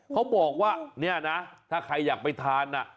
เขาบอกว่าเนี่ยนะถ้าใครอยากไปทาน